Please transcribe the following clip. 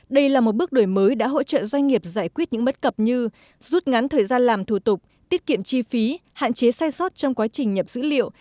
đây là một bước đổi mới đã hỗ trợ doanh nghiệp giải quyết những bất cập như rút ngắn thời gian làm thủ tục tiết kiệm chi phí hạn chế sai sót trong quá trình nhập dữ liệu